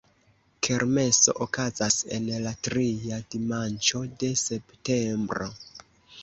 Kermeso okazas en la tria dimanĉo de septembro.